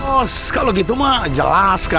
oh kalau gitu mah jelas kan